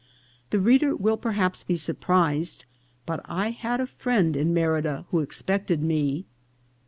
The reader will perhaps be surprised, but I had a friend in Merida who expected me.